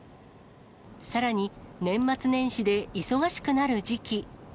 さらに、年末年始で忙しくなる時期。